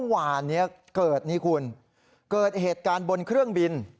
วานนี้เกิดนี่คุณเกิดเหตุการณ์บนเครื่องบิน